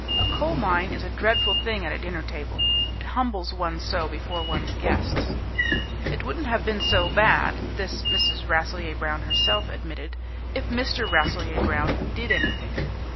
A coal mine is a dreadful thing at a dinner table. It humbles one so before one's guests. It wouldn't have been so bad this Mrs. Rasselyer Brown herself admitted if Mr. Rasselyer Brown did anything.